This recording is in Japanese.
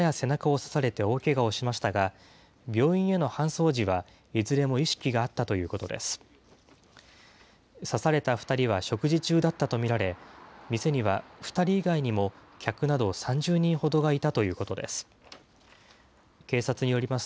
刺された２人は食事中だったと見られ、店には２人以外にも客など３０人ほどがいたということです。